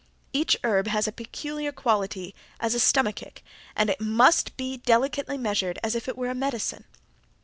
Each herb has a peculiar quality as a stomachic and it must be as delicately measured as if it were a medicine.